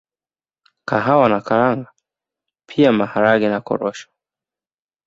kahawa na karanga pia Maharage na korosho